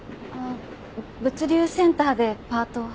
物流センターでパートを。